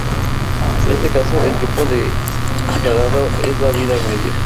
En este caso, el tiempo de escalado es la "vida media'".